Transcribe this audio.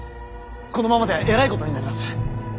このままではえらいことになります。